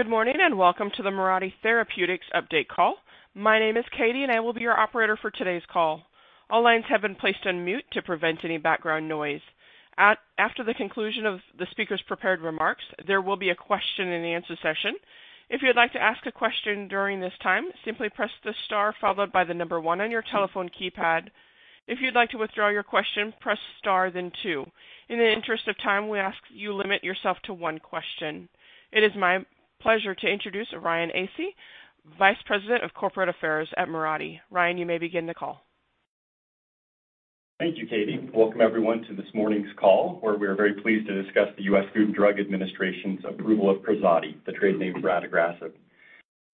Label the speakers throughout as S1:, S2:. S1: Good morning, welcome to the Mirati Therapeutics update call. My name is Katie, and I will be your operator for today's call. All lines have been placed on mute to prevent any background noise. After the conclusion of the speaker's prepared remarks, there will be a question-and-answer session. If you'd like to ask a question during this time, simply press the star followed by one on your telephone keypad. If you'd like to withdraw your question, press star, then two. In the interest of time, we ask you limit yourself to one question. It is my pleasure to introduce Ryan Asay, Vice President of Corporate Affairs at Mirati. Ryan, you may begin the call.
S2: Thank you, Katie. Welcome everyone to this morning's call, where we are very pleased to discuss the US Food and Drug Administration's approval of KRAZATI, the trade name for adagrasib.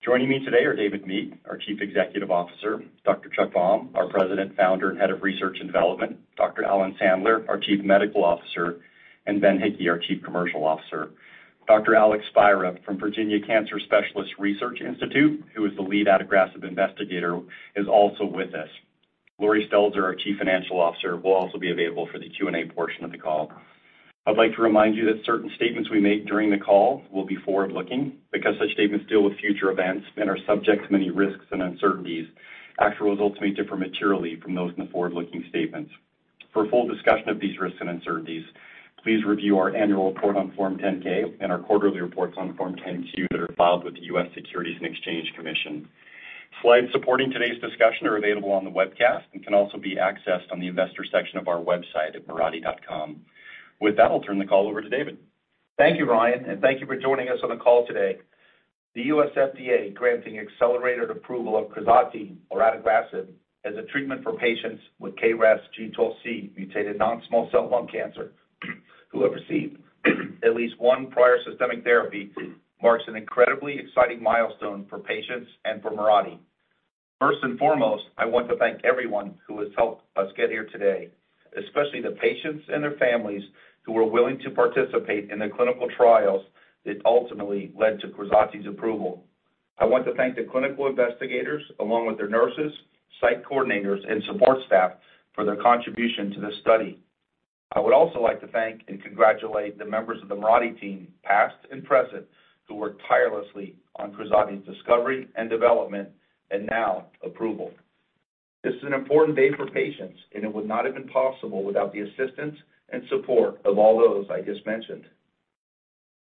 S2: Joining me today are David Meek, our Chief Executive Officer, Dr. Chuck Baum, our President, Founder, and Head of Research and Development, Dr. Alan Sandler, our Chief Medical Officer, and Ben Hickey, our Chief Commercial Officer. Dr. Alex Spira from Virginia Cancer Specialists Research Institute, who is the lead adagrasib investigator, is also with us. Laurie Stelzer, our Chief Financial Officer, will also be available for the Q&A portion of the call. I'd like to remind you that certain statements we make during the call will be forward-looking, because such statements deal with future events and are subject to many risks and uncertainties. Actual results may differ materially from those in the forward-looking statements. For a full discussion of these risks and uncertainties, please review our annual report on form 10-K and our quarterly reports on form 10-Q that are filed with the US Securities and Exchange Commission. Slides supporting today's discussion are available on the webcast and can also be accessed on the investor section of our website at mirati.com. I'll turn the call over to David.
S3: Thank you, Ryan, and thank you for joining us on the call today. The US FDA granting accelerated approval of KRAZATI or adagrasib as a treatment for patients with KRAS G12C mutated non-small cell lung cancer who have received at least one prior systemic therapy marks an incredibly exciting milestone for patients and for Mirati. First and foremost, I want to thank everyone who has helped us get here today, especially the patients and their families who were willing to participate in the clinical trials that ultimately led to KRAZATI's approval. I want to thank the clinical investigators along with their nurses, site coordinators, and support staff for their contribution to this study. I would also like to thank and congratulate the members of the Mirati team, past and present, who worked tirelessly on KRAZATI's discovery and development and now approval. This is an important day for patients, and it would not have been possible without the assistance and support of all those I just mentioned.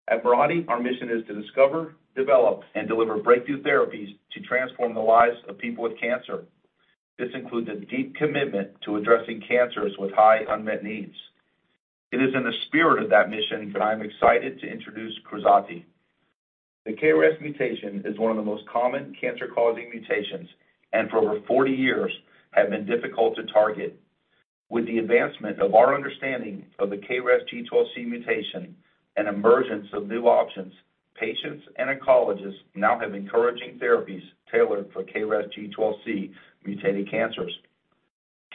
S3: At Mirati, our mission is to discover, develop, and deliver breakthrough therapies to transform the lives of people with cancer. This includes a deep commitment to addressing cancers with high unmet needs. It is in the spirit of that mission that I'm excited to introduce KRAZATI. The KRAS mutation is one of the most common cancer-causing mutations, and for over 40 years have been difficult to target. With the advancement of our understanding of the KRAS G12C mutation and emergence of new options, patients and oncologists now have encouraging therapies tailored for KRAS G12C mutated cancers.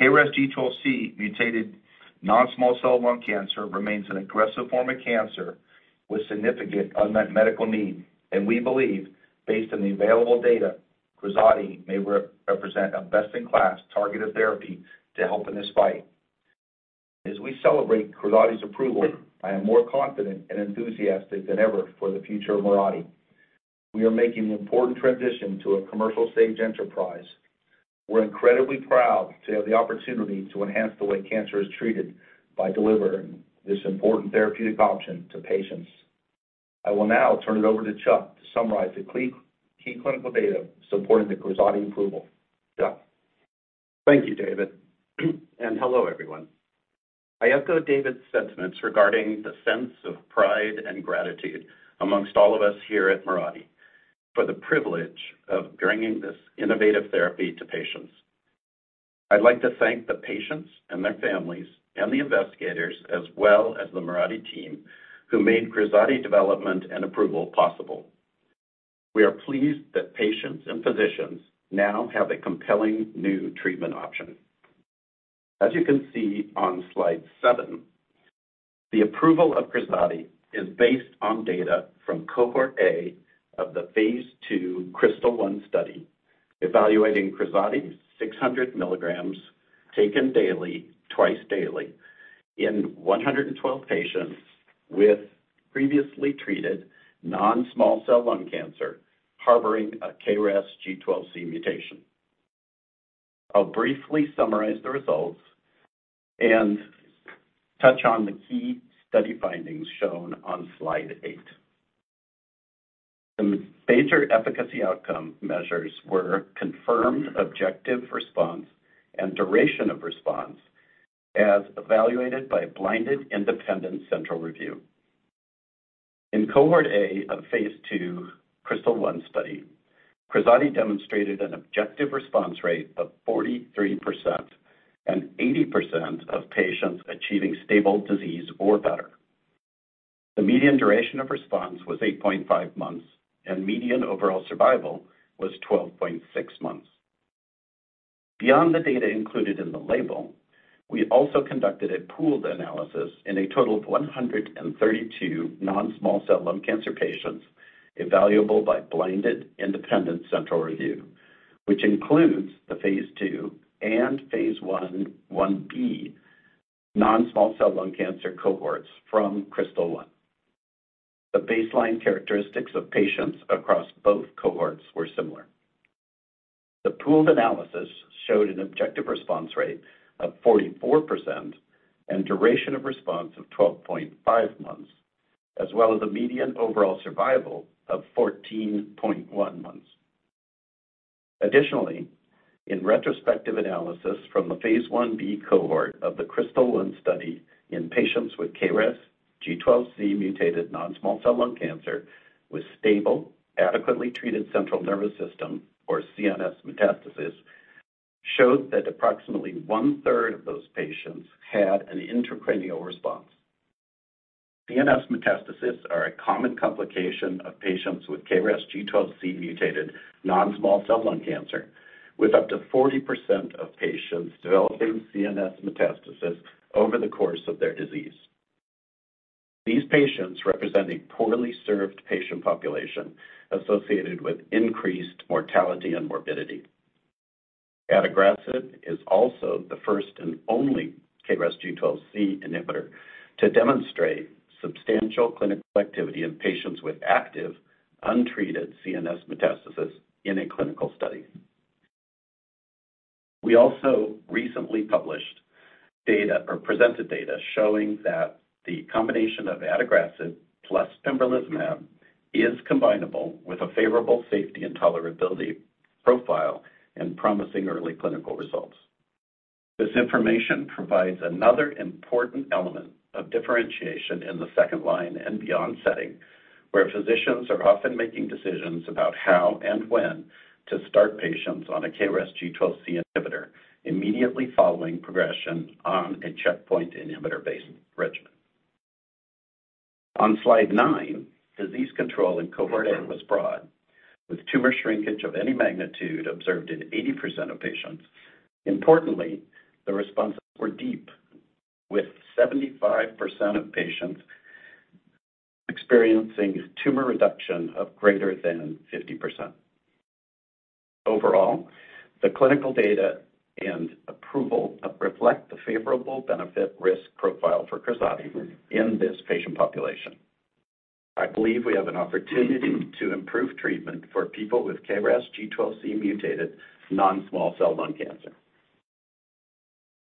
S3: KRAS G12C mutated non-small cell lung cancer remains an aggressive form of cancer with significant unmet medical need. We believe, based on the available data, KRAZATI may represent a best-in-class targeted therapy to help in this fight. As we celebrate KRAZATI's approval, I am more confident and enthusiastic than ever for the future of Mirati. We are making an important transition to a commercial stage enterprise. We're incredibly proud to have the opportunity to enhance the way cancer is treated by delivering this important therapeutic option to patients. I will now turn it over to Chuck to summarize the key clinical data supporting the KRAZATI approval. Chuck.
S4: Thank you, David. Hello everyone. I echo David's sentiments regarding the sense of pride and gratitude amongst all of us here at Mirati for the privilege of bringing this innovative therapy to patients. I'd like to thank the patients and their families and the investigators, as well as the Mirati team, who made KRAZATI development and approval possible. We are pleased that patients and physicians now have a compelling new treatment option. As you can see on slide seven, the approval of KRAZATI is based on data from cohort A of the phase II KRYSTAL-1 study, evaluating KRAZATI 600 milligrams taken daily, twice daily in 112 patients with previously treated non-small cell lung cancer harboring a KRAS G12C mutation. I'll briefly summarize the results and touch on the key study findings shown on slide eight. The major efficacy outcome measures were confirmed objective response and duration of response as evaluated by blinded independent central review. In cohort A of phase II KRYSTAL-1 study, KRAZATI demonstrated an objective response rate of 43% and 80% of patients achieving stable disease or better. The median duration of response was 8.5 months, and median overall survival was 12.6 months. Beyond the data included in the label, we also conducted a pooled analysis in a total of 132 non-small cell lung cancer patients evaluable by blinded independent central review. Which includes the phase II and phase I, 1B non-small cell lung cancer cohorts from KRYSTAL-1. The baseline characteristics of patients across both cohorts were similar. The pooled analysis showed an objective response rate of 44% and duration of response of 12.5 months, as well as a median overall survival of 14.1 months. In retrospective analysis from the phase 1B cohort of the KRYSTAL-1 study in patients with KRAS G12C mutated non-small cell lung cancer was stable, adequately treated central nervous system or CNS metastasis, showed that approximately one-third of those patients had an intracranial response. CNS metastasis are a common complication of patients with KRAS G12C mutated non-small cell lung cancer, with up to 40% of patients developing CNS metastasis over the course of their disease. These patients represent a poorly served patient population associated with increased mortality and morbidity. adagrasib is also the first and only KRAS G12C inhibitor to demonstrate substantial clinical activity in patients with active, untreated CNS metastasis in a clinical study. We also recently published data or presented data showing that the combination of adagrasib plus pembrolizumab is combinable with a favorable safety and tolerability profile and promising early clinical results. This information provides another important element of differentiation in the second line and beyond setting, where physicians are often making decisions about how and when to start patients on a KRAS G12C inhibitor immediately following progression on a checkpoint inhibitor-based regimen. On slide nine, disease control in cohort A was broad, with tumor shrinkage of any magnitude observed in 80% of patients. Importantly, the responses were deep, with 75% of patients experiencing tumor reduction of greater than 50%. Overall, the clinical data and approval reflect the favorable benefit-risk profile for KRAZATI in this patient population. I believe we have an opportunity to improve treatment for people with KRAS G12C mutated non-small cell lung cancer.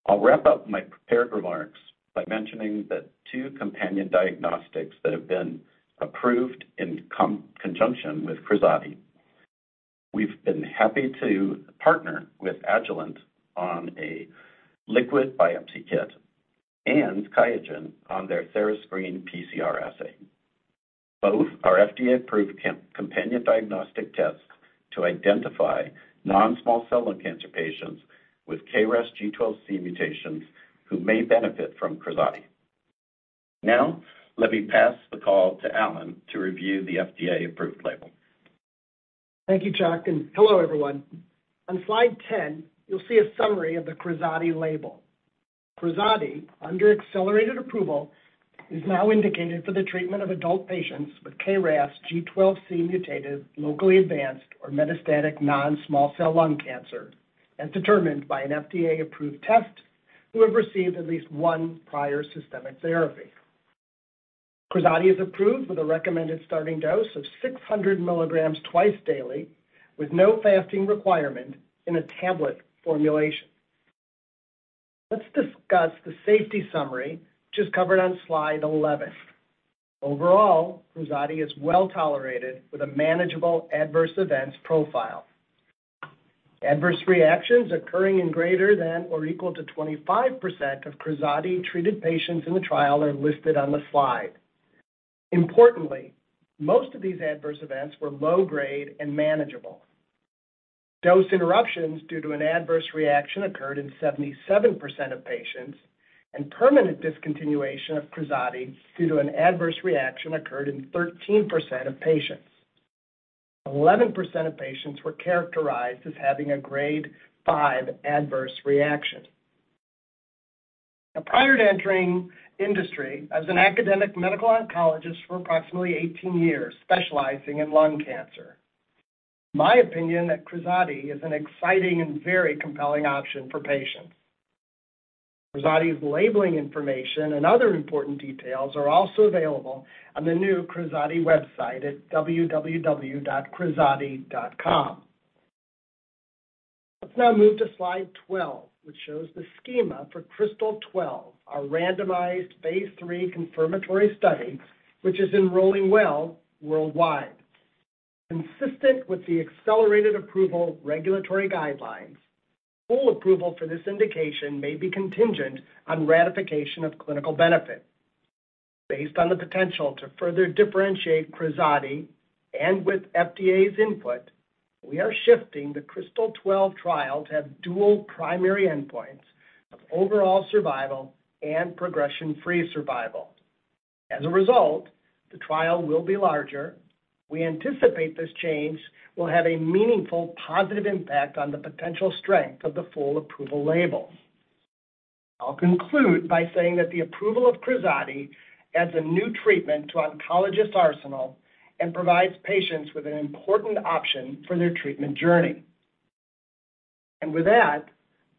S4: I'll wrap up my prepared remarks by mentioning the two companion diagnostics that have been approved in conjunction with KRAZATI. We've been happy to partner with Agilent on a liquid biopsy kit and QIAGEN on their therascreen PCR assay. Both are FDA-approved companion diagnostic tests to identify non-small cell lung cancer patients with KRAS G12C mutations who may benefit from KRAZATI. Let me pass the call to Alan to review the FDA-approved label.
S5: Thank you, Chuck. Hello, everyone. On slide 10, you'll see a summary of the KRAZATI label. KRAZATI, under accelerated approval, is now indicated for the treatment of adult patients with KRAS G12C mutated locally advanced or metastatic non-small cell lung cancer, as determined by an FDA-approved test, who have received at least one prior systemic therapy. KRAZATI is approved with a recommended starting dose of 600 milligrams twice daily with no fasting requirement in a tablet formulation. Let's discuss the safety summary, which is covered on slide 11. Overall, KRAZATI is well-tolerated with a manageable adverse events profile. Adverse Reactions occurring in greater than or equal to 25% of KRAZATI-treated patients in the trial are listed on the slide. Importantly, most of these adverse events were low-grade and manageable. Dose interruptions due to an adverse reaction occurred in 77% of patients, and permanent discontinuation of KRAZATI due to an adverse reaction occurred in 13% of patients. 11% of patients were characterized as having a Grade five adverse reaction. Prior to entering industry as an academic medical oncologist for approximately 18 years, specializing in lung cancer, my opinion that KRAZATI is an exciting and very compelling option for patients. KRAZATI's labeling information and other important details are also available on the new KRAZATI website at www.krazati.com. Let's now move to slide 12, which shows the schema for KRYSTAL-12, our randomized phase III confirmatory study, which is enrolling well worldwide. Consistent with the accelerated approval regulatory guidelines, full approval for this indication may be contingent on ratification of clinical benefit. Based on the potential to further differentiate KRAZATI and with FDA's input, we are shifting the KRYSTAL-12 trial to have dual primary endpoints of overall survival and progression-free survival. As a result, the trial will be larger. We anticipate this change will have a meaningful positive impact on the potential strength of the full approval label. I'll conclude by saying that the approval of KRAZATI adds a new treatment to oncologists' arsenal and provides patients with an important option for their treatment journey. With that,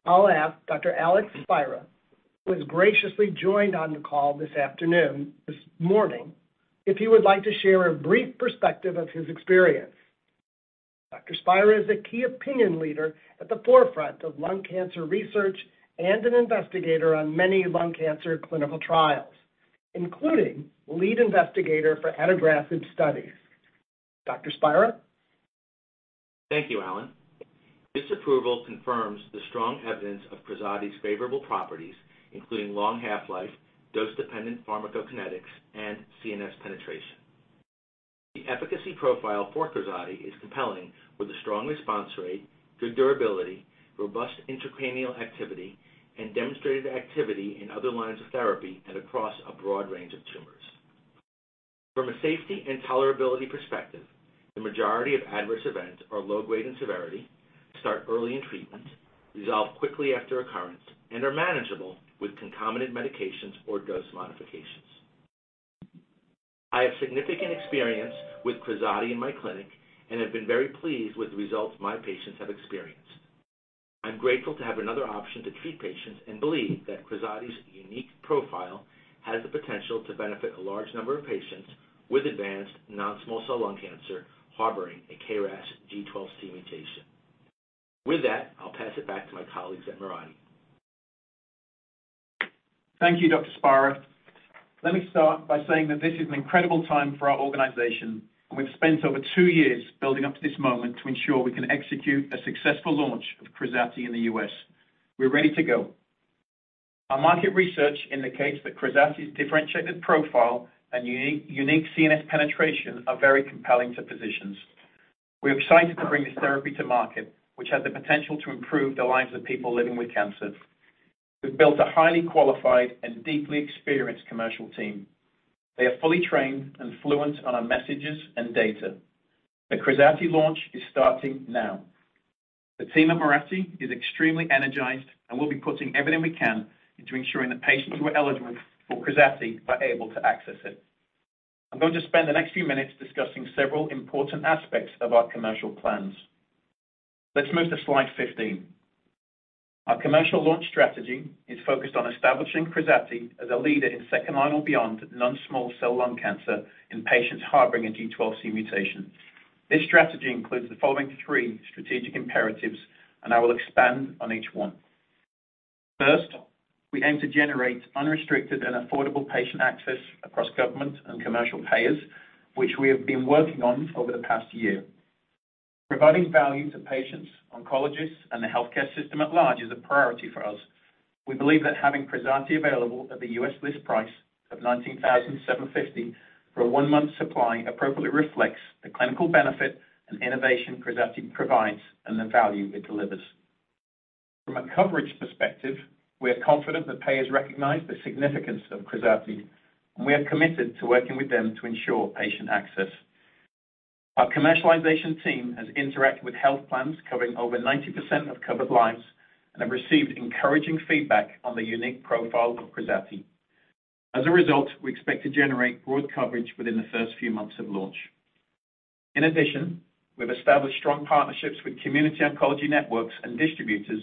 S5: I'll ask Dr. Alex Spira, who has graciously joined on the call this morning, if he would like to share a brief perspective of his experience. Dr. Spira is a key opinion leader at the forefront of lung cancer research and an investigator on many lung cancer clinical trials, including lead investigator for adagrasib studies. Dr. Spira.
S6: Thank you, Alan. This approval confirms the strong evidence of KRAZATI's favorable properties, including long half-life, dose-dependent pharmacokinetics, and CNS penetration. The efficacy profile for KRAZATI is compelling, with a strong response rate, good durability, robust intracranial activity, and demonstrated activity in other lines of therapy and across a broad range of tumors. From a safety and tolerability perspective, the majority of adverse events are low grade in severity, start early in treatment, resolve quickly after occurrence, and are manageable with concomitant medications or dose modifications. I have significant experience with KRAZATI in my clinic and have been very pleased with the results my patients have experienced. I'm grateful to have another option to treat patients and believe that KRAZATI's unique profile has the potential to benefit a large number of patients with advanced non-small cell lung cancer harboring a KRAS G12C mutation. With that, I'll pass it back to my colleagues at Mirati.
S7: Thank you, Dr. Spira. Let me start by saying that this is an incredible time for our organization, and we've spent over two years building up to this moment to ensure we can execute a successful launch of KRAZATI in the U.S. We're ready to go. Our market research indicates that KRAZATI's differentiated profile and unique CNS penetration are very compelling to physicians. We are excited to bring this therapy to market, which has the potential to improve the lives of people living with cancer. We've built a highly qualified and deeply experienced commercial team. They are fully trained and fluent on our messages and data. The KRAZATI launch is starting now. The team at Mirati is extremely energized, and we'll be putting everything we can into ensuring that patients who are eligible for KRAZATI are able to access it. I'm going to spend the next few minutes discussing several important aspects of our commercial plans. Let's move to slide 15. Our commercial launch strategy is focused on establishing KRAZATI as a leader in second-line or beyond non-small cell lung cancer in patients harboring a G12C mutation. This strategy includes the following three strategic imperatives, and I will expand on each one. First, we aim to generate unrestricted and affordable patient access across government and commercial payers, which we have been working on over the past year. Providing value to patients, oncologists, and the healthcare system at large is a priority for us. We believe that having KRAZATI available at the U.S. list price of $19,750 for a one-month supply appropriately reflects the clinical benefit and innovation KRAZATI provides and the value it delivers. From a coverage perspective, we are confident that payers recognize the significance of KRAZATI, and we are committed to working with them to ensure patient access. Our commercialization team has interacted with health plans covering over 90% of covered lives and have received encouraging feedback on the unique profile of KRAZATI. As a result, we expect to generate broad coverage within the first few months of launch. In addition, we've established strong partnerships with community oncology networks and distributors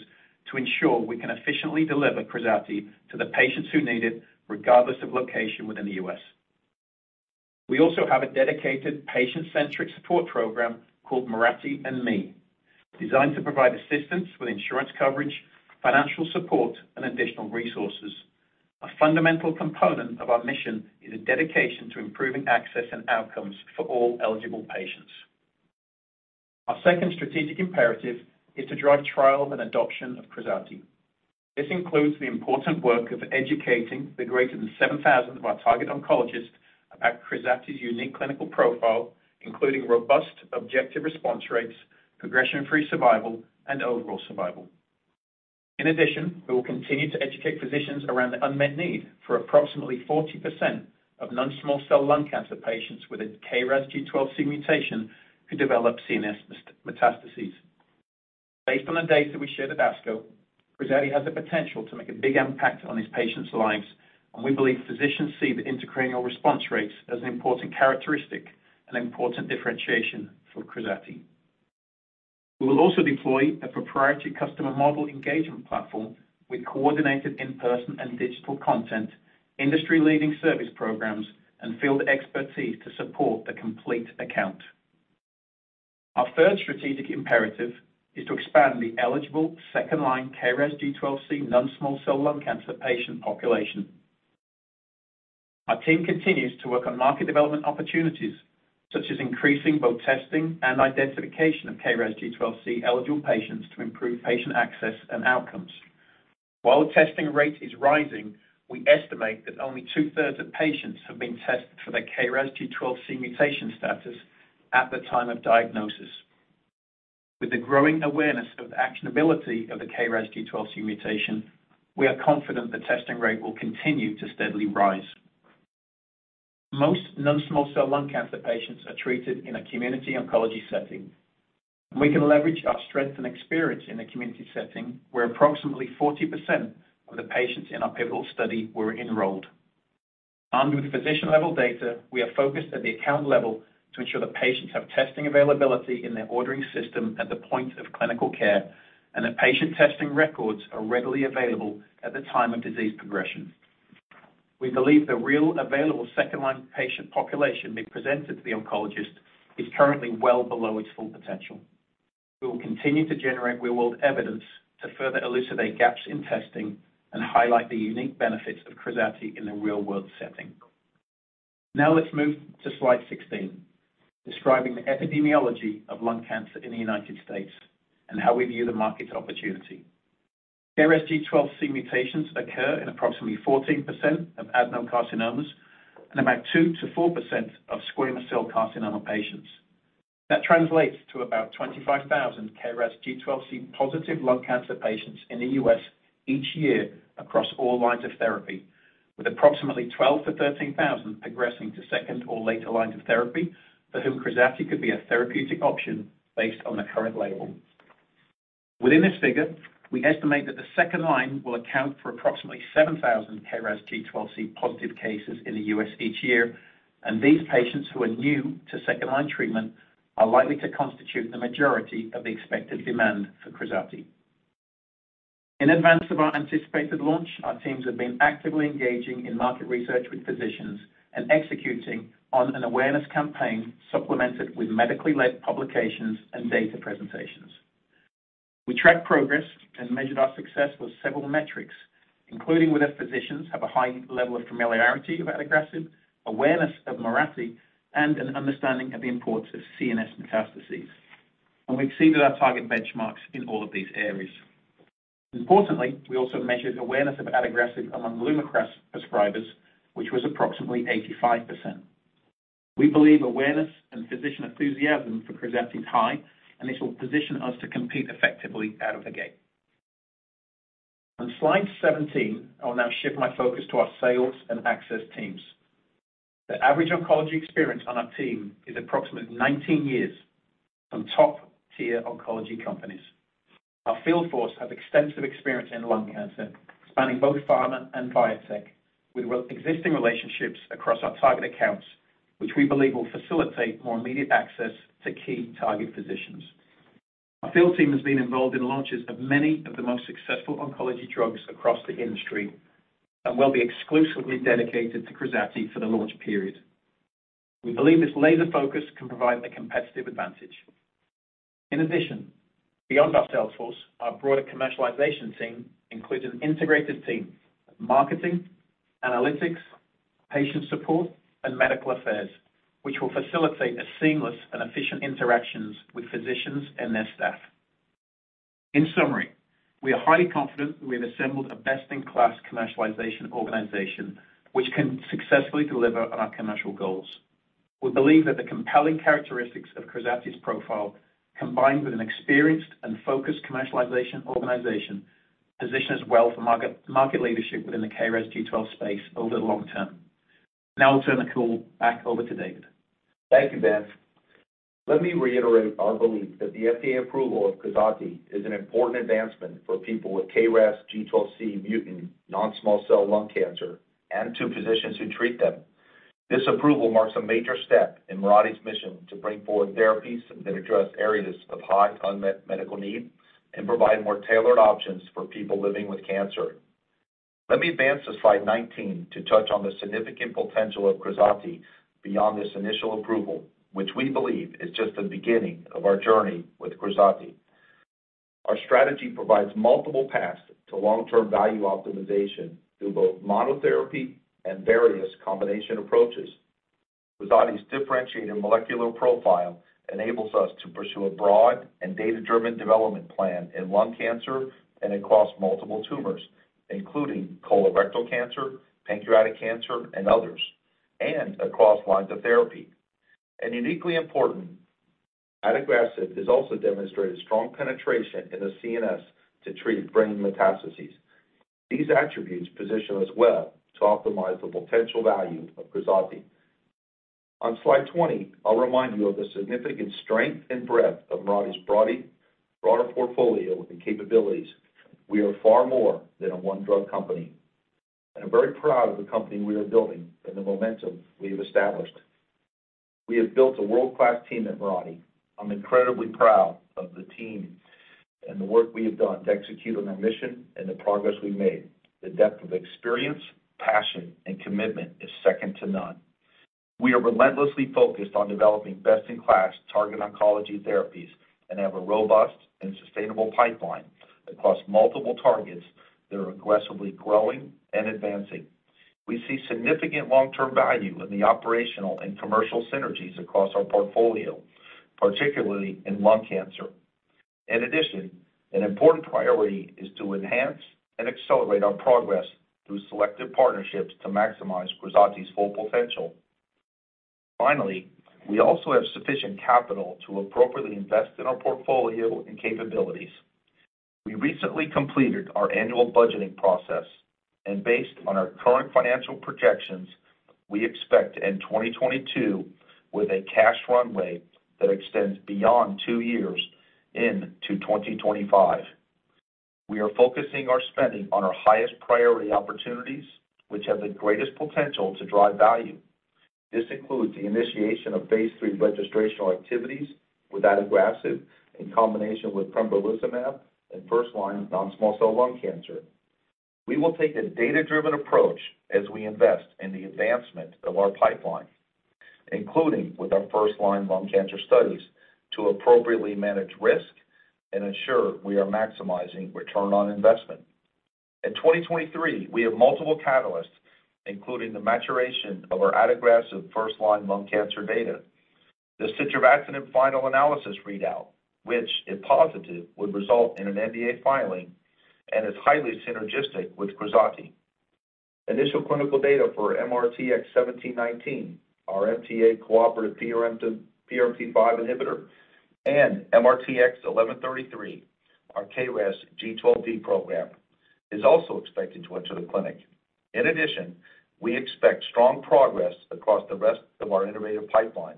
S7: to ensure we can efficiently deliver KRAZATI to the patients who need it, regardless of location within the U.S. We also have a dedicated patient-centric support program called Mirati & Me, designed to provide assistance with insurance coverage, financial support, and additional resources. A fundamental component of our mission is a dedication to improving access and outcomes for all eligible patients. Our second strategic imperative is to drive trial and adoption of KRAZATI. This includes the important work of educating the greater than 7,000 of our target oncologists about KRAZATI's unique clinical profile, including robust objective response rates, progression-free survival, and overall survival. In addition, we will continue to educate physicians around the unmet need for approximately 40% of non-small cell lung cancer patients with a KRAS G12C mutation who develop CNS mets-metastases. Based on the data we shared at ASCO, KRAZATI has the potential to make a big impact on these patients' lives, and we believe physicians see the intracranial response rates as an important characteristic and important differentiation for KRAZATI. We will also deploy a proprietary customer model engagement platform with coordinated in-person and digital content, industry-leading service programs, and field expertise to support the complete account. Our third strategic imperative is to expand the eligible second-line KRAS G12C non-small cell lung cancer patient population. Our team continues to work on market development opportunities, such as increasing both testing and identification of KRAS G12C-eligible patients to improve patient access and outcomes. While the testing rate is rising, we estimate that only two-thirds of patients have been tested for their KRAS G12C mutation status at the time of diagnosis. With the growing awareness of actionability of the KRAS G12C mutation, we are confident the testing rate will continue to steadily rise. Most non-small cell lung cancer patients are treated in a community oncology setting. We can leverage our strength and experience in the community setting where approximately 40% of the patients in our pivotal study were enrolled. Armed with physician-level data, we are focused at the account level to ensure that patients have testing availability in their ordering system at the point of clinical care and that patient testing records are readily available at the time of disease progression. We believe the real available second-line patient population being presented to the oncologist is currently well below its full potential. We will continue to generate real-world evidence to further elucidate gaps in testing and highlight the unique benefits of KRAZATI in the real-world setting. Let's move to slide 16, describing the epidemiology of lung cancer in the United States and how we view the market opportunity. KRAS G12C mutations occur in approximately 14% of adenocarcinomas and about 2%-4% of squamous cell carcinoma patients. That translates to about 25,000 KRAS G12C positive lung cancer patients in the U.S. each year across all lines of therapy, with approximately 12,000-13,000 progressing to second or later lines of therapy for whom KRAZATI could be a therapeutic option based on the current label. Within this figure, we estimate that the second line will account for approximately 7,000 KRAS G12C positive cases in the U.S. each year, and these patients who are new to second-line treatment are likely to constitute the majority of the expected demand for KRAZATI. In advance of our anticipated launch, our teams have been actively engaging in market research with physicians and executing on an awareness campaign supplemented with medically led publications and data presentations. We track progress and measured our success with several metrics, including whether physicians have a high level of familiarity about adagrasib, awareness of Mirati, and an understanding of the importance of CNS metastases. We've exceeded our target benchmarks in all of these areas. Importantly, we also measured awareness of adagrasib among LUMAKRAS prescribers, which was approximately 85%. We believe awareness and physician enthusiasm for KRAZATI is high, and this will position us to compete effectively out of the gate. On slide 17, I will now shift my focus to our sales and access teams. The average oncology experience on our team is approximately 19 years from top-tier oncology companies. Our field force has extensive experience in lung cancer, spanning both pharma and biotech, with existing relationships across our target accounts, which we believe will facilitate more immediate access to key target physicians. Our field team has been involved in launches of many of the most successful oncology drugs across the industry and will be exclusively dedicated to KRAZATI for the launch period. We believe this laser focus can provide a competitive advantage. Beyond our sales force, our broader commercialization team includes an integrated team of marketing, analytics, patient support, and medical affairs, which will facilitate a seamless and efficient interactions with physicians and their staff. We are highly confident that we have assembled a best-in-class commercialization organization which can successfully deliver on our commercial goals. We believe that the compelling characteristics of KRAZATI's profile, combined with an experienced and focused commercialization organization, positions well for market leadership within the KRAS G12C space over the long term. I'll turn the call back over to David.
S3: Thank you, Ben. Let me reiterate our belief that the FDA approval of KRAZATI is an important advancement for people with KRAS G12C mutant non-small cell lung cancer and to physicians who treat them. This approval marks a major step in Mirati's mission to bring forward therapies that address areas of high unmet medical need and provide more tailored options for people living with cancer. Let me advance to slide 19 to touch on the significant potential of KRAZATI beyond this initial approval, which we believe is just the beginning of our journey with KRAZATI. Our strategy provides multiple paths to long-term value optimization through both monotherapy and various combination approaches. KRAZATI's differentiating molecular profile enables us to pursue a broad and data-driven development plan in lung cancer and across multiple tumors, including colorectal cancer, pancreatic cancer, and others, and across lines of therapy. Uniquely important, adagrasib has also demonstrated strong penetration in the CNS to treat brain metastases. These attributes position us well to optimize the potential value of KRAZATI. On slide 20, I'll remind you of the significant strength and breadth of Mirati's broader portfolio and capabilities. We are far more than a one-drug company. I'm very proud of the company we are building and the momentum we have established. We have built a world-class team at Mirati. I'm incredibly proud of the team and the work we have done to execute on our mission and the progress we've made. The depth of experience, passion and commitment is second to none. We are relentlessly focused on developing best-in-class target oncology therapies and have a robust and sustainable pipeline across multiple targets that are aggressively growing and advancing. We see significant long-term value in the operational and commercial synergies across our portfolio, particularly in lung cancer. In addition, an important priority is to enhance and accelerate our progress through selective partnerships to maximize KRAZATI's full potential. We also have sufficient capital to appropriately invest in our portfolio and capabilities. We recently completed our annual budgeting process, and based on our current financial projections, we expect to end 2022 with a cash runway that extends beyond two years into 2025. We are focusing our spending on our highest priority opportunities, which have the greatest potential to drive value. This includes the initiation of phase III registrational activities with adagrasib in combination with pembrolizumab in first-line non-small cell lung cancer. We will take a data-driven approach as we invest in the advancement of our pipeline, including with our first-line lung cancer studies, to appropriately manage risk and ensure we are maximizing return on investment. In 2023, we have multiple catalysts, including the maturation of our adagrasib first-line lung cancer data, the sitravatinib final analysis readout, which, if positive, would result in an NDA filing and is highly synergistic with KRAZATI. Initial clinical data for MRTX1719, our MTA-cooperative PRMT5 inhibitor, and MRTX1133, our KRAS G12D program, is also expected to enter the clinic. In addition, we expect strong progress across the rest of our innovative pipeline.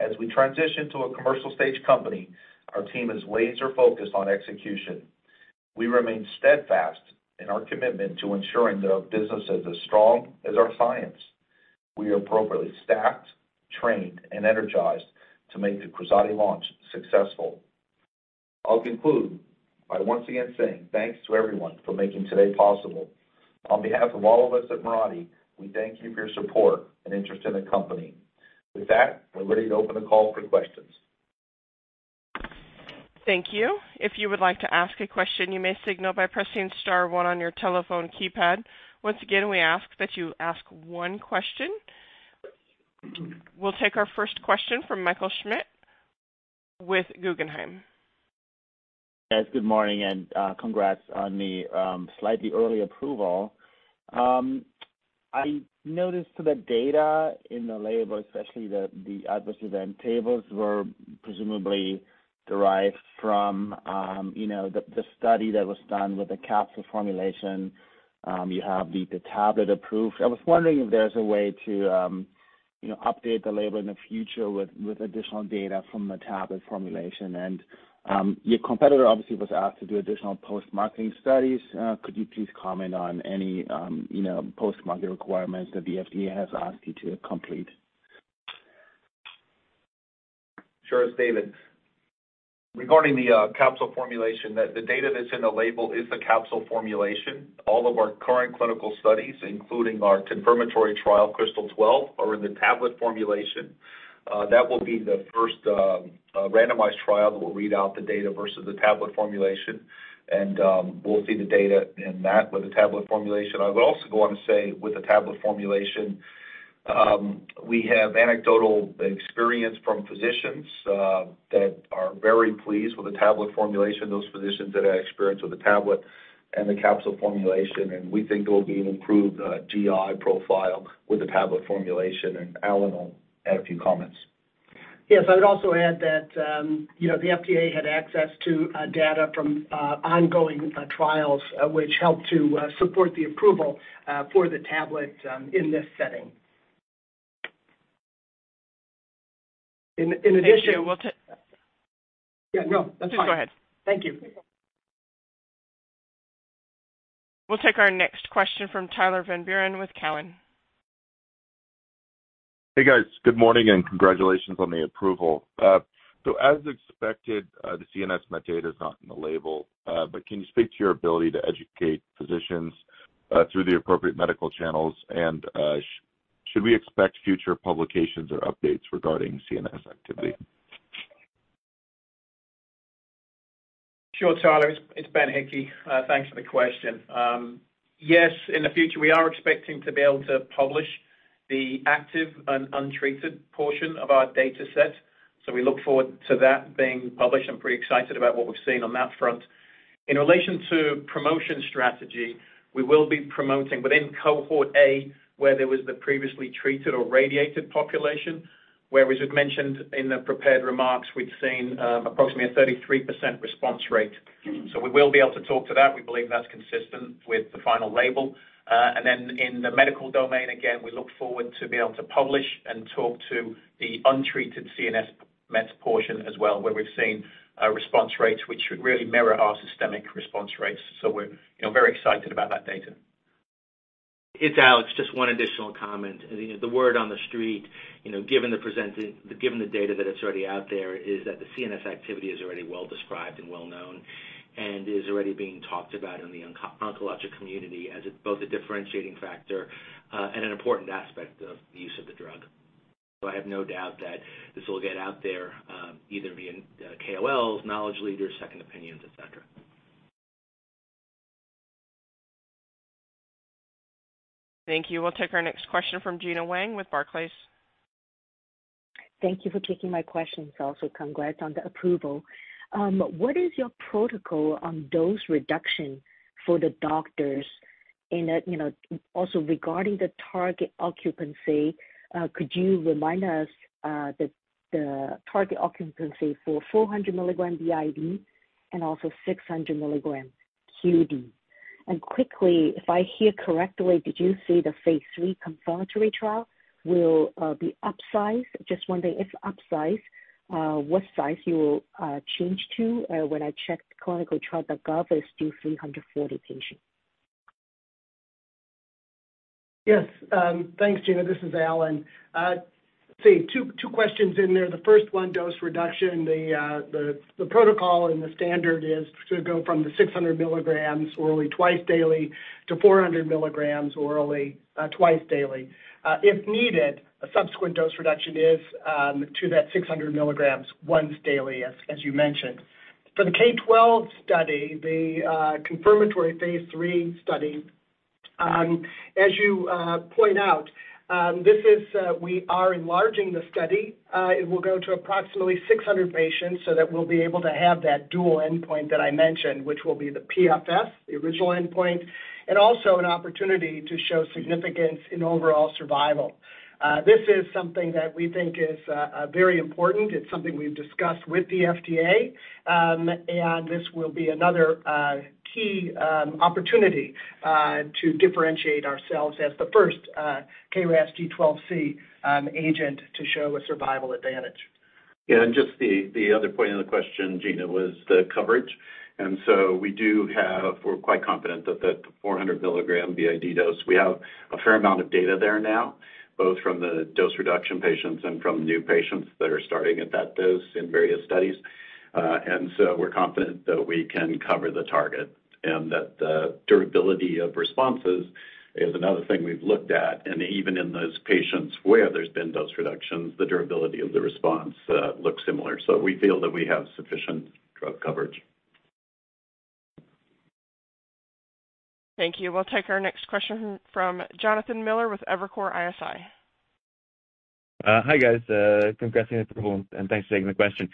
S3: As we transition to a commercial stage company, our team is laser-focused on execution. We remain steadfast in our commitment to ensuring that our business is as strong as our science. We are appropriately stacked, trained, and energized to make the KRAZATI launch successful. I'll conclude by once again saying thanks to everyone for making today possible. On behalf of all of us at Mirati, we thank you for your support and interest in the company. With that, we're ready to open the call for questions.
S1: Thank you. If you would like to ask a question, you may signal by pressing star one on your telephone keypad. Once again, we ask that you ask one question. We'll take our first question from Michael Schmidt with Guggenheim.
S8: Yes, good morning and congrats on the slightly early approval. I noticed the data in the label, especially the adverse event tables, were presumably derived from, you know, the study that was done with the capsule formulation. You have the tablet approved. I was wondering if there's a way to, you know, update the label in the future with additional data from the tablet formulation. Your competitor obviously was asked to do additional post-marketing studies. Could you please comment on any, you know, post-marketing requirements that the FDA has asked you to complete?
S3: Sure. It's David. Regarding the capsule formulation, the data that's in the label is the capsule formulation. All of our current clinical studies, including our confirmatory trial, KRYSTAL-12, are in the tablet formulation. That will be the first randomized trial that will read out the data versus the tablet formulation. We'll see the data in that with the tablet formulation. I would also go on to say with the tablet formulation, we have anecdotal experience from physicians that are very pleased with the tablet formulation, those physicians that have experience with the tablet and the capsule formulation, and we think there will be an improved GI profile with the tablet formulation. Alan will add a few comments.
S5: Yes, I would also add that, you know, the FDA had access to data from ongoing trials, which helped to support the approval for the tablet in this setting. In addition-
S1: Thank you.
S5: Yeah, no, that's fine.
S1: Please go ahead.
S5: Thank you.
S1: We'll take our next question from Tyler Van Buren with Cowen.
S9: Hey, guys. Good morning, and congratulations on the approval. As expected, the CNS met data is not in the label, but can you speak to your ability to educate physicians through the appropriate medical channels? Should we expect future publications or updates regarding CNS activity?
S7: Sure, Tyler. It's Ben Hickey. Thanks for the question. Yes, in the future, we are expecting to be able to publish the active and untreated portion of our data set, so we look forward to that being published. I'm pretty excited about what we've seen on that front. In relation to promotion strategy, we will be promoting within cohort A, where there was the previously treated or radiated population, where, as was mentioned in the prepared remarks, we've seen approximately a 33% response rate. We will be able to talk to that. We believe that's consistent with the final label. In the medical domain, again, we look forward to be able to publish and talk to the untreated CNS Mets portion as well, where we've seen response rates which should really mirror our systemic response rates. We're, you know, very excited about that data.
S6: It's Alex. Just one additional comment. You know, the word on the street, you know, given the data that it's already out there, is that the CNS activity is already well-described and well-known and is already being talked about in the oncologic community as both a differentiating factor and an important aspect of the use of the drug. I have no doubt that this will get out there, either via KOLs, knowledge leaders, second opinions, et cetera.
S1: Thank you. We'll take our next question from Geena Wang with Barclays.
S10: Thank you for taking my questions. Also congrats on the approval. What is your protocol on dose reduction for the doctors? you know, also regarding the target occupancy, could you remind us the target occupancy for 400 milligram BID and also 600 milligram QD? Quickly, if I hear correctly, did you say the phase 3 confirmatory trial will be upsized? Just wondering if upsized, what size you will change to. When I checked clinicaltrials.gov, it's still 340 patients.
S5: Yes. Thanks, Geena. This is Alan. Let's see, two questions in there. The first one, dose reduction, the protocol and the standard is to go from the 600 milligrams orally twice daily to 400 milligrams orally twice daily. If needed, a subsequent dose reduction is to that 600 milligrams once daily, as you mentioned. For the KRYSTAL-12 study, the confirmatory phase III study, as you point out, this is we are enlarging the study. It will go to approximately 600 patients so that we'll be able to have that dual endpoint that I mentioned, which will be the PFS, the original endpoint, and also an opportunity to show significance in overall survival. This is something that we think is very important. It's something we've discussed with the FDA. This will be another key opportunity to differentiate ourselves as the first KRAS G12C agent to show a survival advantage.
S4: Just the other point of the question, Geena, was the coverage. We're quite confident that the 400 milligram BID dose, we have a fair amount of data there now, both from the dose reduction patients and from new patients that are starting at that dose in various studies. We're confident that we can cover the target and that the durability of responses is another thing we've looked at. Even in those patients where there's been dose reductions, the durability of the response looks similar. We feel that we have sufficient drug coverage.
S1: Thank you. We'll take our next question from Jonathan Miller with Evercore ISI.
S11: Hi, guys. Congrats on the approval, thanks for taking the question.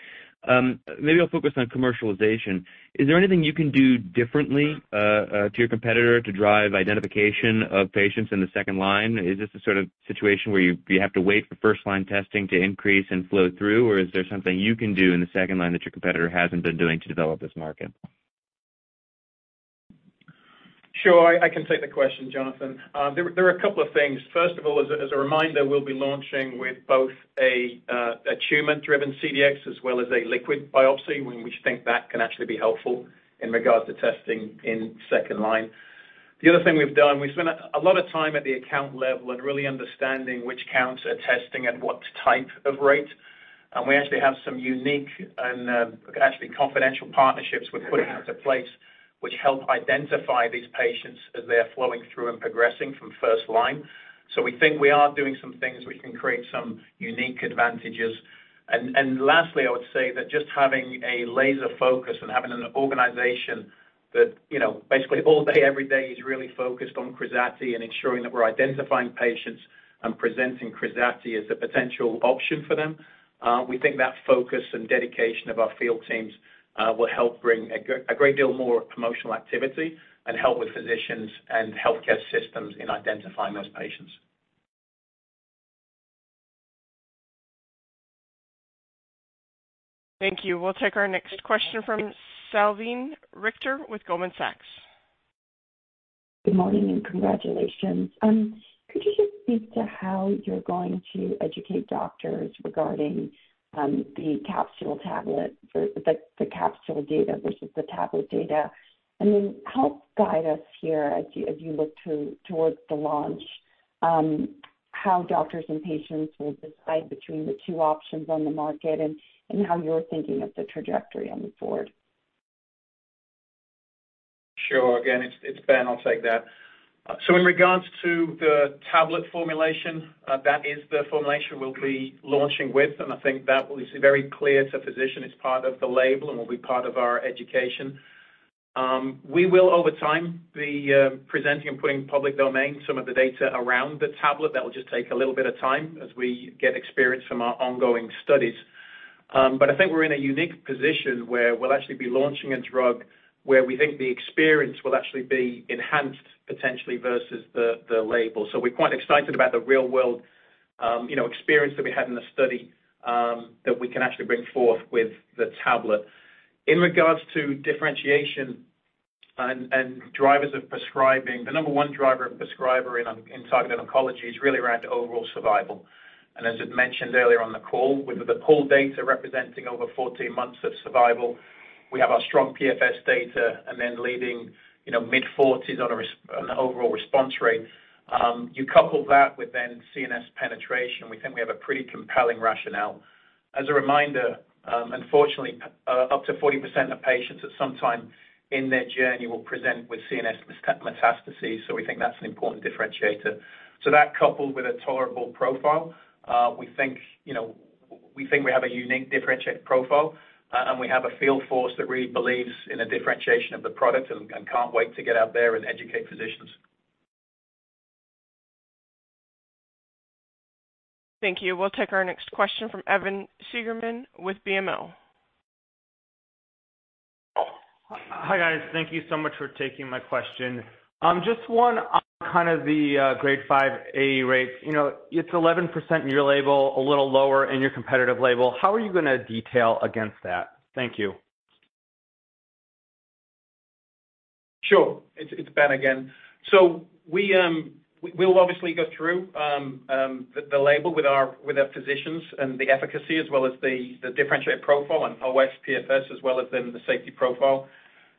S11: Maybe I'll focus on commercialization. Is there anything you can do differently to your competitor to drive identification of patients in the second line? Is this the sort of situation where you have to wait for first line testing to increase and flow through? Is there something you can do in the second line that your competitor hasn't been doing to develop this market?
S7: Sure. I can take the question, Jonathan. There are a couple of things. First of all, as a reminder, we'll be launching with both a tumor-driven CDX as well as a liquid biopsy, when we think that can actually be helpful in regards to testing in second line. The other thing we've done, we've spent a lot of time at the account level and really understanding which counts are testing at what type of rate. We actually have some unique and actually confidential partnerships we're putting into place which help identify these patients as they are flowing through and progressing from first line. We think we are doing some things which can create some unique advantages. Lastly, I would say that just having a laser focus and having an organization that, you know, basically all day, every day is really focused on KRAZATI and ensuring that we're identifying patients and presenting KRAZATI as a potential option for them, we think that focus and dedication of our field teams, will help bring a great deal more promotional activity and help with physicians and healthcare systems in identifying those patients.
S1: Thank you. We'll take our next question from Salveen Richter with Goldman Sachs.
S12: Good morning and congratulations. Could you just speak to how you're going to educate doctors regarding the capsule tablet for the capsule data versus the tablet data? Help guide us here as you look towards the launch, how doctors and patients will decide between the two options on the market and how you're thinking of the trajectory moving forward.
S7: Sure. Again, it's Ben, I'll take that. In regards to the tablet formulation, that is the formulation we'll be launching with, and I think that will be very clear to physician. It's part of the label and will be part of our education. We will over time be presenting and putting public domain some of the data around the tablet. That will just take a little bit of time as we get experience from our ongoing studies. But I think we're in a unique position where we'll actually be launching a drug where we think the experience will actually be enhanced potentially versus the label. We're quite excited about the real world, you know, experience that we had in the study, that we can actually bring forth with the tablet. In regards to differentiation and drivers of prescribing, the number one driver of prescriber in targeted oncology is really around overall survival. As was mentioned earlier on the call, with the pool data representing over 14 months of survival, we have our strong PFS data and then leading, you know, mid-40s on the overall response rate. You couple that with then CNS penetration, we think we have a pretty compelling rationale. As a reminder, unfortunately, up to 40% of patients at some time in their journey will present with CNS metastases, we think that's an important differentiator. That coupled with a tolerable profile, we think, you know, we think we have a unique differentiated profile, and we have a field force that really believes in the differentiation of the product and can't wait to get out there and educate physicians.
S1: Thank you. We'll take our next question from Evan Seigerman with BMO.
S13: Hi, guys. Thank you so much for taking my question. just one on kind of the Grade five AE rate. You know, it's 11% in your label, a little lower in your competitive label. How are you gonna detail against that? Thank you.
S7: Sure. It's Ben again. We'll obviously go through the label with our physicians and the efficacy as well as the differentiated profile and OS PFS as well as then the safety profile.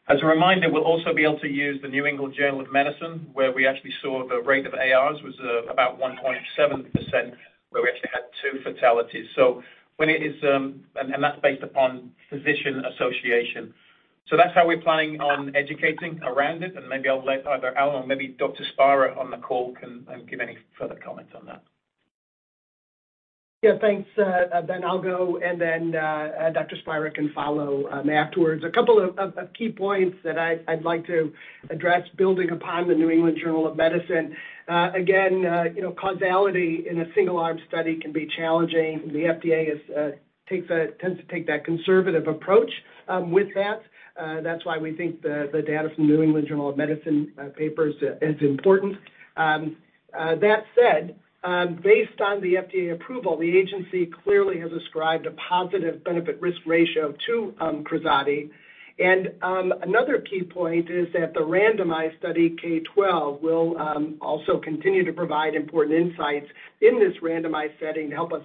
S7: As a reminder, we'll also be able to use the New England Journal of Medicine, where we actually saw the rate of ARs was about 1.7%, where we actually had two fatalities. When it is. And that's based upon physician association. That's how we're planning on educating around it, and maybe I'll let either Alan or maybe Dr. Spira on the call can give any further comments on that.
S5: Yeah, thanks, Ben. I'll go, and then Dr. Spira can follow afterwards. A couple of key points that I'd like to address building upon the New England Journal of Medicine. Again, you know, causality in a single arm study can be challenging. The FDA tends to take that conservative approach with that. That's why we think the data from the New England Journal of Medicine papers is important. That said, based on the FDA approval, the agency clearly has ascribed a positive benefit risk ratio to KRAZATI. Another key point is that the randomized study KRYSTAL-12 will also continue to provide important insights in this randomized setting to help us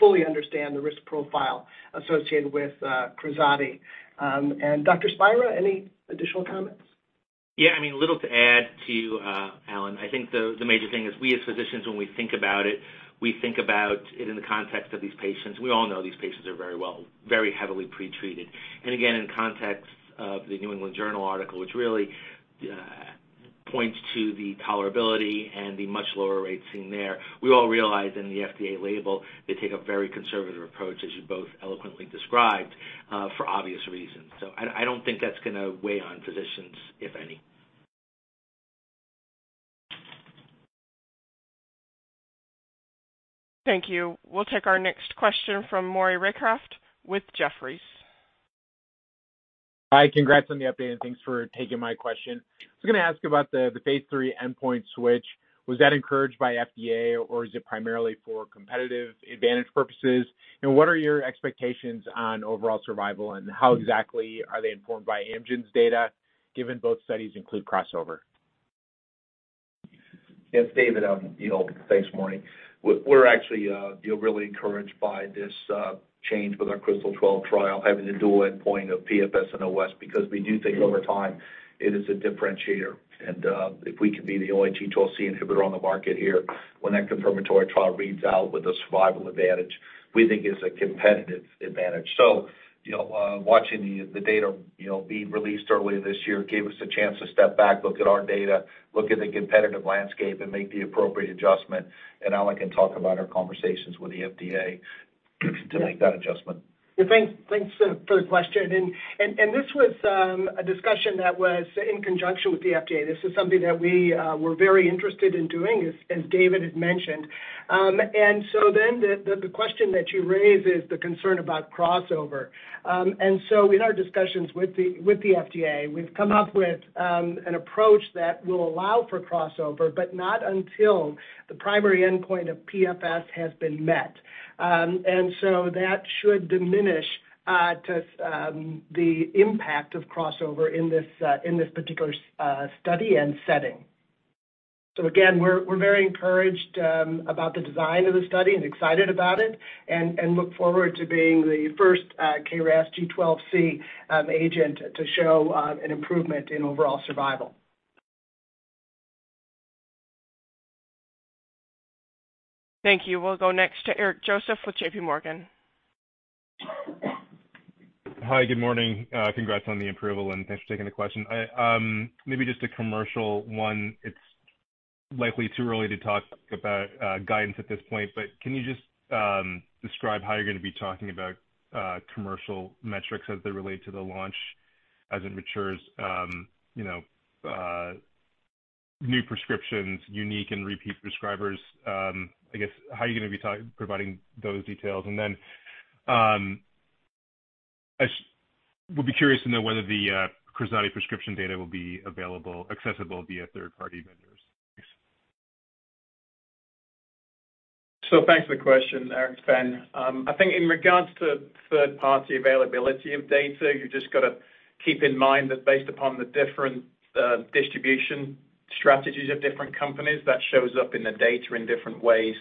S5: fully understand the risk profile associated with KRAZATI. Dr. Spira, any additional comments?
S6: Yeah. I mean, little to add to Alan. I think the major thing is we as physicians, when we think about it, we think about it in the context of these patients. We all know these patients are very well, very heavily pretreated. Again, in context of the New England Journal article, which really points to the tolerability and the much lower rates seen there, we all realize in the FDA label they take a very conservative approach, as you both eloquently described, for obvious reasons. I don't think that's gonna weigh on physicians, if any.
S1: Thank you. We'll take our next question from Maury Raycroft with Jefferies.
S14: Hi. Congrats on the update, thanks for taking my question. I was gonna ask about the phase III endpoint switch. Was that encouraged by FDA, or is it primarily for competitive advantage purposes? What are your expectations on overall survival, and how exactly are they informed by Amgen's data, given both studies include crossover?
S3: It's David, you know. Thanks, Maury. We're actually, you know, really encouraged by this change with our KRYSTAL-12 trial having the dual endpoint of PFS and OS because we do think over time it is a differentiator. If we can be the only G12C inhibitor on the market here, when that confirmatory trial reads out with a survival advantage, we think it's a competitive advantage. You know, watching the data, you know, being released early this year gave us a chance to step back, look at our data, look at the competitive landscape, and make the appropriate adjustment. Alan can talk about our conversations with the FDA to make that adjustment.
S5: Yeah. Thanks for the question. This was a discussion that was in conjunction with the FDA. This is something that we were very interested in doing, as David had mentioned. The question that you raise is the concern about crossover. In our discussions with the FDA, we've come up with an approach that will allow for crossover, but not until the primary endpoint of PFS has been met. That should diminish the impact of crossover in this particular study and setting. Again, we're very encouraged about the design of the study and excited about it and look forward to being the first KRAS G12C agent to show an improvement in overall survival.
S1: Thank you. We'll go next to Eric Joseph with J.P. Morgan.
S15: Hi. Good morning. Congrats on the approval. Thanks for taking the question. I, maybe just a commercial one. It's likely too early to talk about guidance at this point, but can you just describe how you're gonna be talking about commercial metrics as they relate to the launch as it matures, you know, new prescriptions, unique and repeat prescribers? I would be curious to know whether the KRAZATI prescription data will be available, accessible via third-party vendors. Thanks.
S7: Thanks for the question, Eric. It's Ben. I think in regards to third-party availability of data, you just gotta keep in mind that based upon the different distribution strategies of different companies, that shows up in the data in different ways.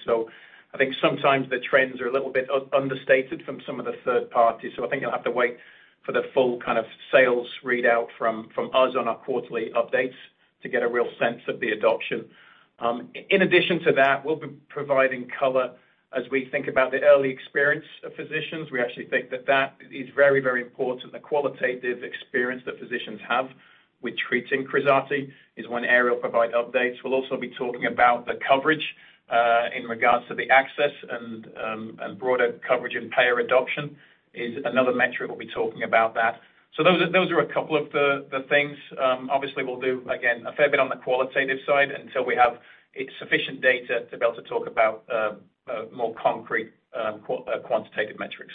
S7: I think sometimes the trends are a little bit understated from some of the third parties, so I think you'll have to wait for the full kind of sales readout from us on our quarterly updates to get a real sense of the adoption. In addition to that, we'll be providing color as we think about the early experience of physicians. We actually think that that is very important. The qualitative experience that physicians have with treating KRAZATI is one area we'll provide updates. We'll also be talking about the coverage in regards to the access, and broader coverage and payer adoption is another metric we'll be talking about that. Those are a couple of the things. Obviously, we'll do, again, a fair bit on the qualitative side until we have sufficient data to be able to talk about more concrete quantitative metrics.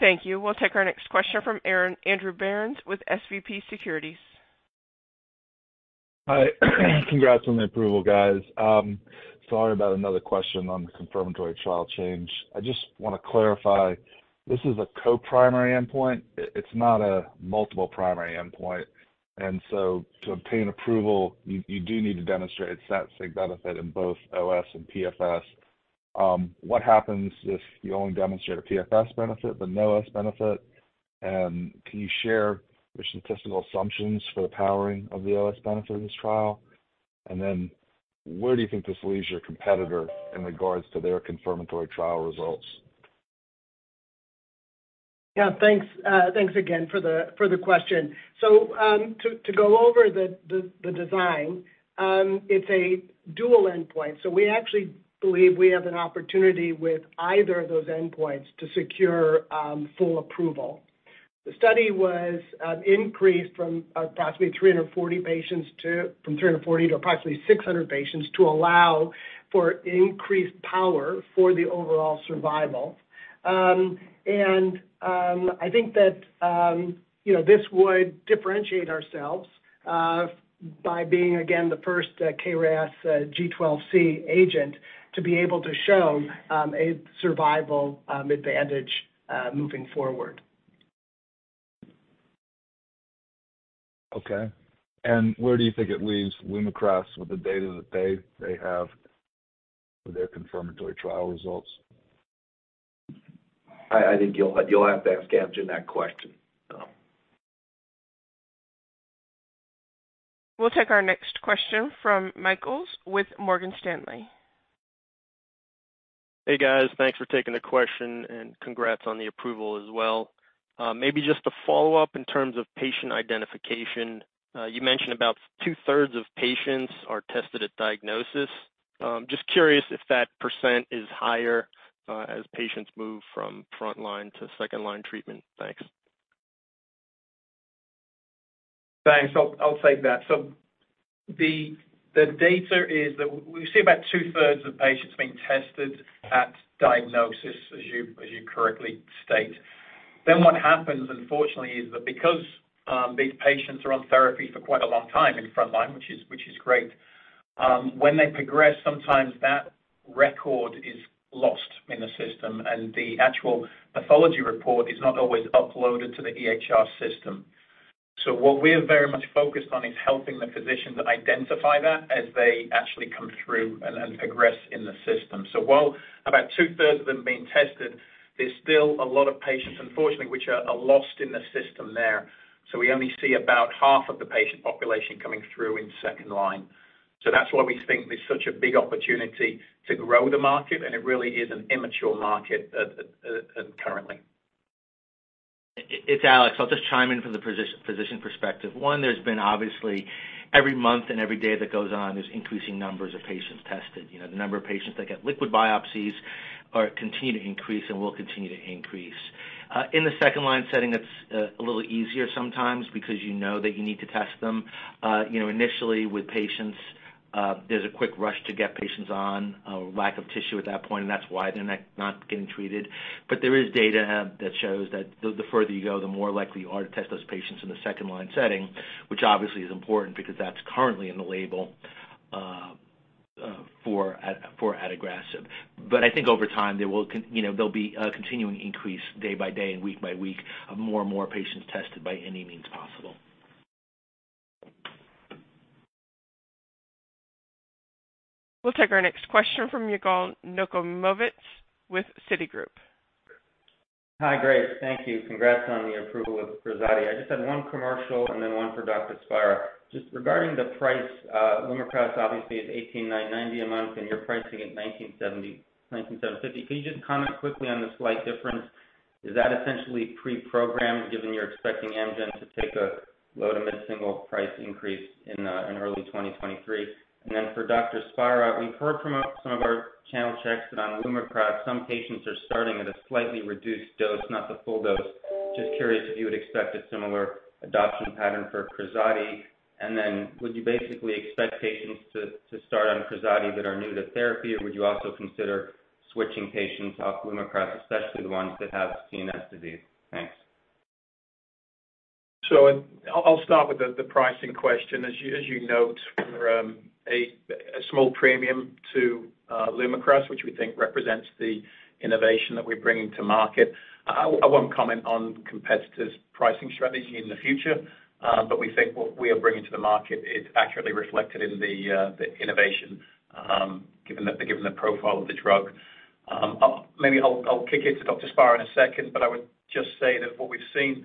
S1: Thank you. We'll take our next question from Andrew Berens with SVB Securities.
S16: Hi. Congrats on the approval, guys. Sorry about another question on the confirmatory trial change. I just wanna clarify. This is a co-primary endpoint. It's not a multiple primary endpoint. To obtain approval, you do need to demonstrate a stat sig benefit in both OS and PFS. What happens if you only demonstrate a PFS benefit but no OS benefit? Can you share the statistical assumptions for the powering of the OS benefit of this trial? Where do you think this leaves your competitor in regards to their confirmatory trial results?
S5: Yeah, thanks. Thanks again for the question. To go over the design, it's a dual endpoint. We actually believe we have an opportunity with either of those endpoints to secure full approval. The study was increased from approximately 340 patients to approximately 600 patients to allow for increased power for the overall survival. I think that, you know, this would differentiate ourselves by being, again, the first KRAS G12C agent to be able to show a survival advantage moving forward.
S16: Okay. Where do you think it leaves LUMAKRAS with the data that they have for their confirmatory trial results?
S4: I think you'll have to ask Amgen that question, so.
S1: We'll take our next question from Michael with Morgan Stanley.
S17: Hey, guys. Thanks for taking the question. Congrats on the approval as well. Maybe just a follow-up in terms of patient identification. You mentioned about two-thirds of patients are tested at diagnosis. Just curious if that % is higher, as patients move from front line to second line treatment. Thanks.
S7: Thanks. I'll take that. The data is that we see about 2/3 of patients being tested at diagnosis, as you correctly state. What happens, unfortunately, is that because these patients are on therapy for quite a long time in front line, which is great, when they progress, sometimes that record is lost in the system, and the actual pathology report is not always uploaded to the EHR system. What we're very much focused on is helping the physician to identify that as they actually come through and progress in the system. While about 2/3 of them are being tested, there's still a lot of patients, unfortunately, which are lost in the system there. We only see about half of the patient population coming through in second line. That's why we think there's such a big opportunity to grow the market, and it really is an immature market at currently.
S6: It's Alex Spira. I'll just chime in from the physician perspective. There's been obviously every month and every day that goes on, there's increasing numbers of patients tested. You know, the number of patients that get liquid biopsies are continue to increase and will continue to increase. In the second line setting, it's a little easier sometimes because you know that you need to test them. You know, initially with patients, there's a quick rush to get patients on, lack of tissue at that point, and that's why they're not getting treated. There is data that shows that the further you go, the more likely you are to test those patients in the second line setting, which obviously is important because that's currently in the label for adagrasib. I think over time, there will you know, there'll be a continuing increase day by day and week by week of more and more patients tested by any means possible.
S1: We'll take our next question from Yigal Nochomovitz with Citigroup.
S18: Hi. Great. Thank you. Congrats on the approval of KRAZATI. I just have one commercial and then one for Dr. Spira. Just regarding the price, LUMAKRAS obviously is $18,990 a month, and you're pricing it $19,750. Can you just comment quickly on the slight difference? Is that essentially preprogrammed given you're expecting Amgen to take a low to mid-single % price increase in early 2023? For Dr. Spira, we've heard from some of our channel checks that on LUMAKRAS some patients are starting at a slightly reduced dose, not the full dose. Just curious if you would expect a similar adoption pattern for KRAZATI. Would you basically expect patients to start on KRAZATI that are new to therapy, or would you also consider switching patients off LUMAKRAS, especially the ones that have CNS disease? Thanks.
S7: I'll start with the pricing question. As you note, from a small premium to LUMAKRAS, which we think represents the innovation that we're bringing to market. I won't comment on competitors' pricing strategy in the future, but we think what we are bringing to the market is accurately reflected in the innovation, given the profile of the drug. Maybe I'll kick it to Dr. Spira in a second, but I would just say that what we've seen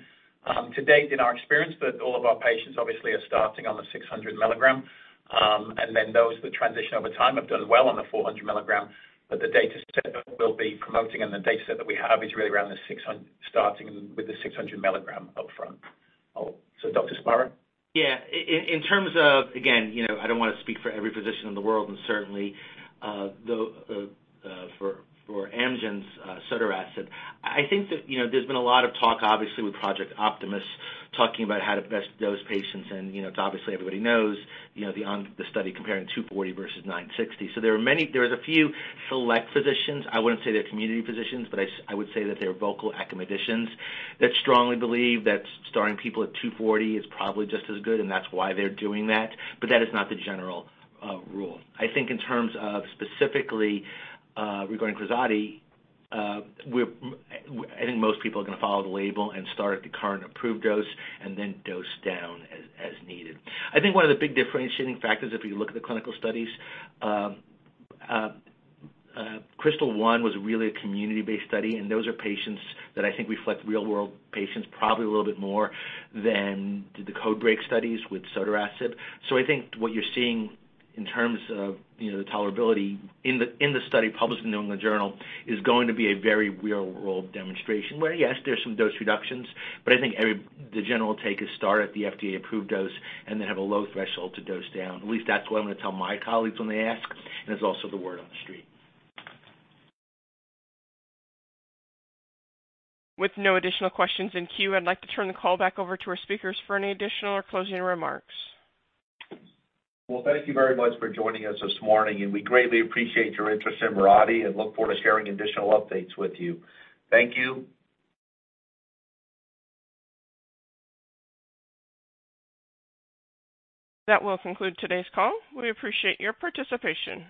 S7: to date in our experience that all of our patients obviously are starting on the 600 milligram, and then those that transition over time have done well on the 400 milligram. The data set that we'll be promoting and the data set that we have is really around starting with the 600 milligram upfront. Dr. Spira?
S6: Yeah. In terms of... Again, you know, I don't wanna speak for every physician in the world, and certainly, for Amgen's sotorasib. I think that, you know, there's been a lot of talk, obviously with Project Optimus, talking about how to best dose patients, and, you know, obviously everybody knows, you know, the study comparing 240 versus 960. There's a few select physicians, I wouldn't say they're community physicians, but I would say that they're vocal academicians, that strongly believe that starting people at 240 is probably just as good, and that's why they're doing that. That is not the general rule. I think in terms of specifically, regarding KRAZATI, I think most people are gonna follow the label and start at the current approved dose and then dose down as needed. I think one of the big differentiating factors, if you look at the clinical studies, KRYSTAL-1 was really a community-based study, and those are patients that I think reflect real world patients probably a little bit more than did the CodeBreaK studies with sotorasib. I think what you're seeing in terms of, you know, the tolerability in the study published in the New England Journal is going to be a very real world demonstration, where, yes, there's some dose reductions, but I think the general take is start at the FDA-approved dose and then have a low threshold to dose down. At least that's what I'm gonna tell my colleagues when they ask, and it's also the word on the street.
S1: With no additional questions in queue, I'd like to turn the call back over to our speakers for any additional or closing remarks.
S3: Well, thank you very much for joining us this morning, and we greatly appreciate your interest in Mirati and look forward to sharing additional updates with you. Thank you.
S1: That will conclude today's call. We appreciate your participation.